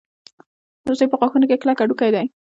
د هوسۍ په غاښونو کې کلک هډوکی دی.